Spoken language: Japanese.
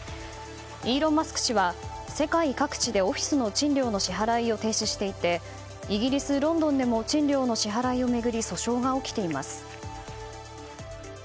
イーロン・マスク氏は世界各地でオフィスの賃料の支払いを停止していてイギリス・ロンドンでも賃料の支払いを巡り訴訟が起きています。